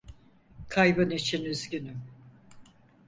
Kaybın için üzgünüm.